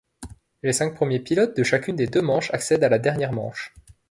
Les cinq premiers pilotes de chacune des deux manches accèdent à la dernière manche.